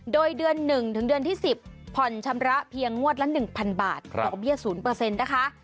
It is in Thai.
โดยเดือน๑๑๐ผ่อนชำระเพียงงวดละ๑๐๐๐บาทดอกเบี้ย๐นะคะ